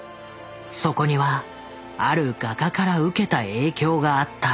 そこにはある画家から受けた影響があった。